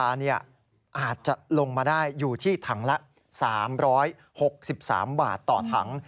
อาจจะลงมาได้อยู่ที่ถังละ๓๖๓บาทต่อถัง